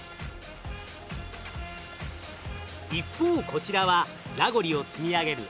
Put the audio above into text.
一方こちらはラゴリを積み上げるＲ２。